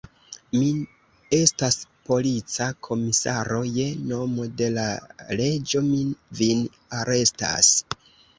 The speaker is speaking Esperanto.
Mi estas polica komisaro: je nomo de la leĝo mi vin arestas.